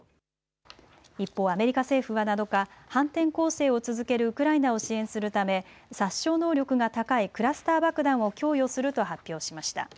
一方、アメリカ政府は７日、反転攻勢を続けるウクライナを支援するため殺傷能力が高いクラスター爆弾を供与すると発表しました。